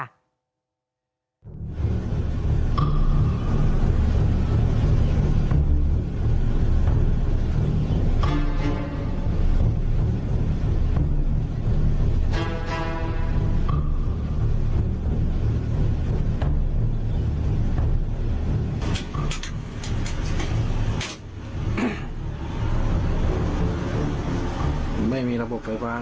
เกิดขึ้นเกิดจะมีตัวประสิทธิ์ขึ้น